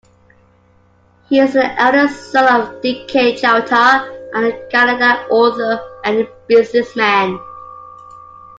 He is the eldest son of D. K. Chowta, a Kannada author and businessman.